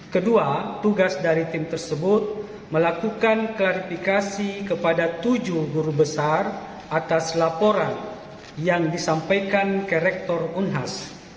kedua tugas dari tim tersebut melakukan klarifikasi kepada tujuh guru besar atas laporan yang disampaikan ke rektor unhas